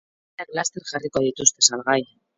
Sarrerak laster jarriko dituzte salgai.